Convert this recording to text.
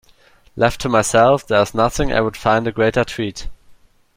Left to myself, there is nothing I would find a greater treat.